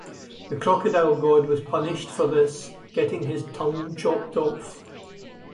The crocodile god was punished for this; getting his tongue chopped off.